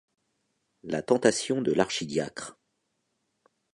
La tentation de l’archidiacre.